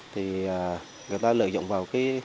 thì người ta lợi dụng vào